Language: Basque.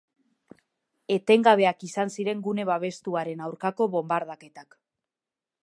Etengabeak izan ziren gune babestu haren aurkako bonbardaketak.